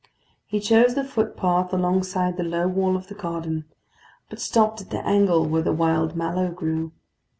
He chose the footpath alongside the low wall of the garden, but stopped at the angle where the wild mallow grew.